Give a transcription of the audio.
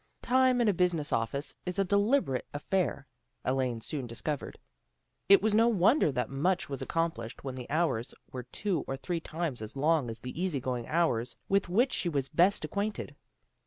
Tune in a business office is a deliberate affair, Elaine soon discovered. It was no won der that much was accomplished when the hours were two or three tunes as long as the easy going hours with which she was best acquainted.